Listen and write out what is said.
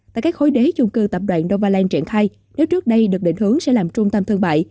tại các khối đế dung cư tập đoàn novaland triển khai nếu trước đây được định hướng sẽ làm trung tâm thương mại